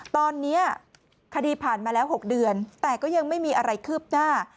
ตอนนี้คดีผ่านมาแล้ว๖เดือนแต่ก็ยังไม่มีอะไรคืบหน้า